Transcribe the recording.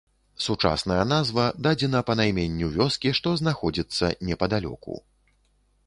Сучасная назва дадзена па найменню вёскі, што знаходзіцца непадалёку.